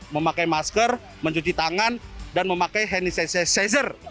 memakai masker mencuci tangan dan memakai hand sanitizer